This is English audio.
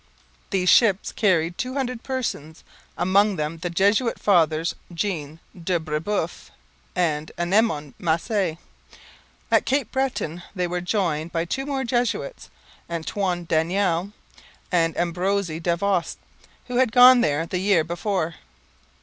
These ships carried two hundred persons, among them the Jesuit fathers Jean de Brebeuf and Ennemond Masse. At Cape Breton they were joined by two more Jesuits, Antoine Daniel and Ambroise Davost, who had gone there the year before.